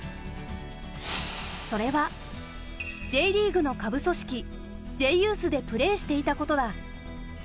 それはＪリーグの下部組織Ｊユースでプレーしていたことだ。